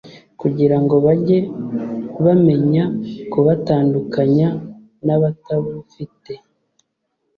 kugira ngo bajye bamenya kubatandukanya n’abatabufite